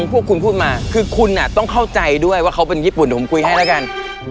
พวกคุณพูดมาคือคุณต้องเข้าใจด้วยว่าเขาเป็นญี่ปุ่นเดี๋ยวผมคุยให้แล้วกัน